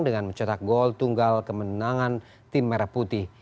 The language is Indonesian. dengan mencetak gol tunggal kemenangan tim merah putih